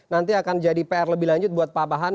nanti akan jadi pr lebih lanjut buat pak pahan